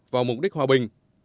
và mục đích hòa bình